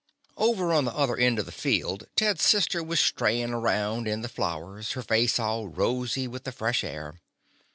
Over on the other end of the field Ted's sister was strayin' around in the flowers, her face all rosy with the fresh air.